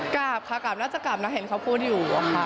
กลับค่ะกลับน่าจะกลับนะเห็นเขาพูดอยู่อะค่ะ